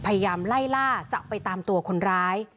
พยายามไล่ล่าจะไปตามตัวคนร้าย